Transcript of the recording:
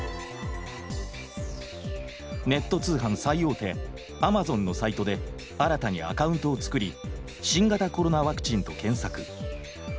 ネット通販最大手「アマゾン」のサイトで新たにアカウントを作り「新型コロナワクチン」と検索。